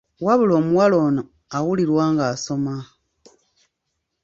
Wabula omuwala ono awulirwa ng'asoma.